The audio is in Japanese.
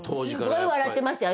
すごい笑ってましたよ